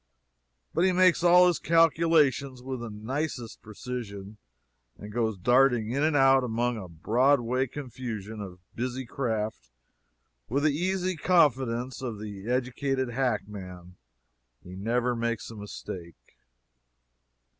But he makes all his calculations with the nicest precision, and goes darting in and out among a Broadway confusion of busy craft with the easy confidence of the educated hackman. He never makes a mistake.